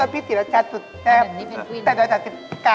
เขาเป็นอย่างคนเล่นเพ็ญกวิ้นไปออกให้ตายเผอะ